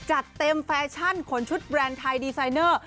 จัดเต็มแฟชั่นขนชุดแบรนด์ไทยดีไซเนอร์